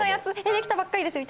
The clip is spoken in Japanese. できたばっかりですよ。